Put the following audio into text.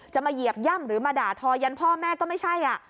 มาเหยียบย่ำหรือมาด่าทอยันพ่อแม่ก็ไม่ใช่